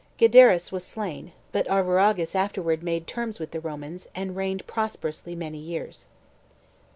Guiderius was slain, but Arviragus afterward made terms with the Romans, and reigned prosperously many years.